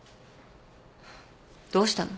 どうしたの？